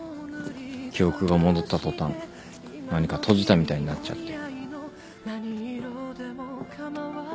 記憶が戻った途端何か閉じたみたいになっちゃった。